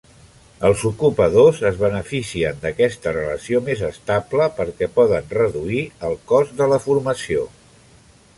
Els ocupadors es beneficien d"aquesta relació més estable perquè poden reduir el cost de la formació.